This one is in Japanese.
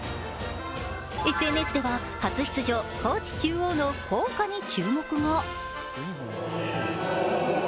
ＳＮＳでは初出場、高知中央の校歌が話題に。